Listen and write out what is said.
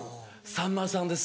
さんまさんです。